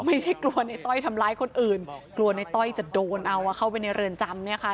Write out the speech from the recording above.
ไม่ได้กลัวในต้อยทำร้ายคนอื่นกลัวในต้อยจะโดนเอาเข้าไปในเรือนจำเนี่ยค่ะ